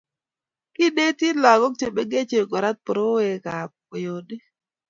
kineti lagok che mengechen korat boroiwekab kweyonik